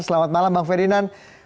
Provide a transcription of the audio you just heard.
selamat malam bang ferdinand